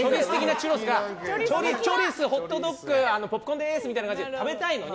チュロス、ホットドッグポップコーンですみたいな感じで食べたいのに。